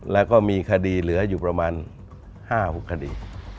แล้วก็มีคดีเหลืออยู่ประมาณ๕๖คดี